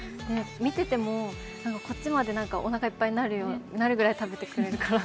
見てても、こっちまでおなかいっぱいになるぐらい食べてくれるから。